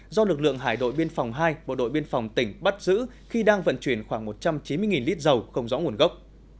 do lực lượng hải đội biên phòng hai bộ đội biên phòng tỉnh bắt giữ khi đang vận chuyển khoảng một trăm chín mươi lít dầu không rõ nguồn gốc